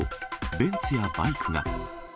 ベンツやバイクが。